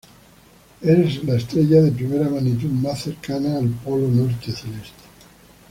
Es la estrella de primera magnitud más cercana al Polo Norte Celeste.